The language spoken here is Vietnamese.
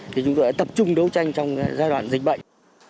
thì chúng tôi đã tập trung đấu tranh trong giai đoạn dịch bệnh